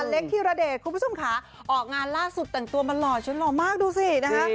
เล็กธิระเดชคุณผู้ชมค่ะออกงานล่าสุดแต่งตัวมาหล่อฉันหล่อมากดูสินะคะ